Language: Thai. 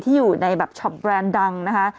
อยู่ในแบบช็อปแรนด์ดังนะคะ